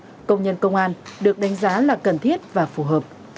của sĩ quan công nhân công an được đánh giá là cần thiết và phù hợp